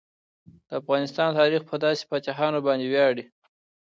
د افغانستان تاریخ په داسې فاتحانو باندې ویاړي.